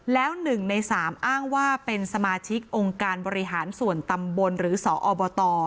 แล้ว๑ใน๓อ้างว่าเป็นสมาชิกองค์การบริหารส่วนตำบลหรือสอบต